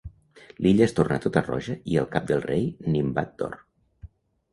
L’illa es torna tota roja i el cap del rei nimbat d’or.